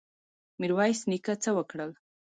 میرویس نیکه څه وکړل؟